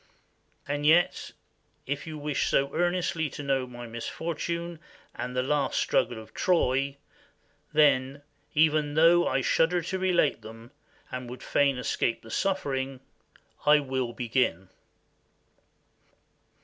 And yet, if you wish so earnestly to know my misfortunes and the last struggle of Troy, then, even though I shudder to relate them and would fain escape the suffering, I will begin."